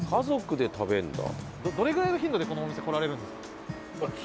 どれぐらいの頻度でこのお店来られるんですか？